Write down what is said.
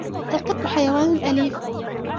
. القطّ حيوان أليف